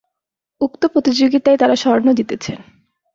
উক্ত প্রতিযোগীতায় তারা স্বর্ণ জিতেন।